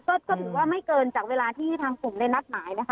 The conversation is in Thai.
ก็ถือว่าไม่เกินจากเวลาที่ทางกลุ่มได้นัดหมายนะคะ